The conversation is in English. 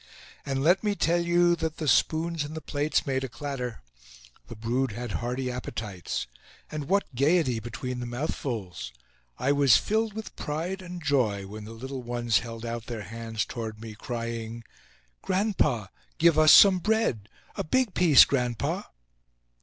And let me tell you that the spoons in the plates made a clatter. The brood had hearty appetites. And what gayety between the mouthfuls! I was filled with pride and joy when the little ones held out their hands toward me, crying: "Grandpa, give us some bread! A big piece, grandpa!"